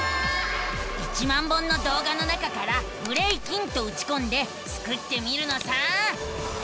１万本のどうがの中から「ブレイキン」とうちこんでスクってみるのさ！